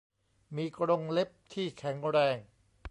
มีกรงเล็บที่แข็งแรง